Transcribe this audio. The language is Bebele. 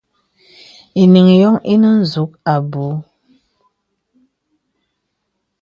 Eniŋ yōŋ inə zūk abū.